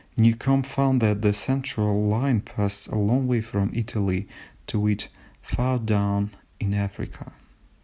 Newcomb found that the central line passed a long way from Italy, to wit, "far down in Africa."